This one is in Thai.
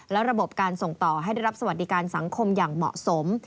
และระบบการส่งต่อให้ได้รับสวัสดิการสังคมอย่างเหมาะสม